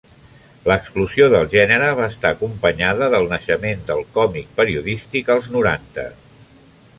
L'explosió del gènere va estar acompanyada del naixement del còmic periodístic, als noranta.